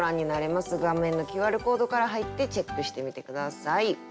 画面のＱＲコードから入ってチェックしてみて下さい。